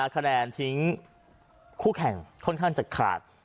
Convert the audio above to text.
คะแนนทิ้งคู่แข่งค่อนข้างจะขาด